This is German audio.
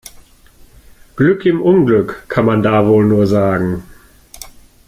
Glück im Unglück, kann man da wohl nur sagen.